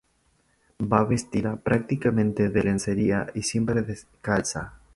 Va vestida prácticamente de lencería y siempre descalza.